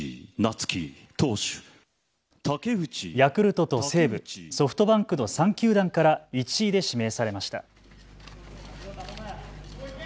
ヤクルトと西武、ソフトバンクの３球団から１位で指名されました。